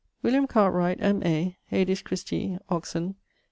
William Cartwright, M.A., Aedis Christi, Oxon.